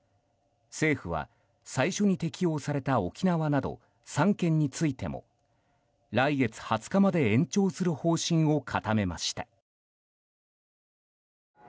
政府は、最初に適用された沖縄など、３県についても来月２０日まで延長する方針を固めました。